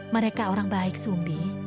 mereka orang baik sumbi